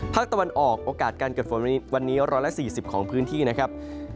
ภาคตะวันออกโอกาสการเกิดฝนวันนี้๑๔๐ของพื้นที่นะครับ